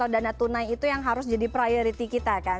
dana tunai itu yang harus jadi priority kita kan